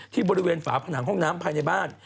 ที่บริเวณฝาผนังห้องน้ำภายในบ้าน